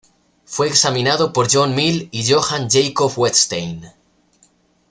Fue examinado por John Mill y Johann Jakob Wettstein.